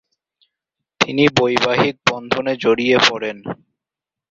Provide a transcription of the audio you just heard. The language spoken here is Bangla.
তিনি বৈবাহিক বন্ধনে জড়িয়ে পড়েন।